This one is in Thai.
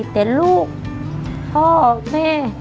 แต่ลูกพ่อแม่